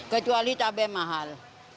kecuali tabai mahal